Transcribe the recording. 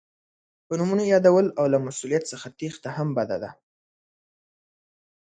په نومونو یادول او له مسؤلیت څخه تېښته هم بده ده.